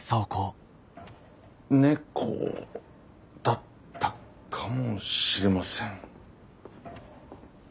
猫だったかもしれません。